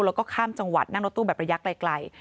แล้วก็ข้ามจังหวัดนั่งรถตู้แบบระยะไกล